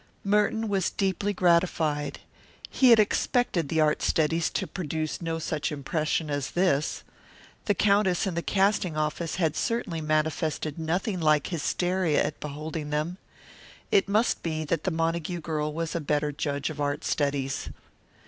Merton was deeply gratified. He had expected the art studies to produce no such impression as this. The Countess in the casting office had certainly manifested nothing like hysteria at beholding them. It must be that the Montague girl was a better judge of art studies.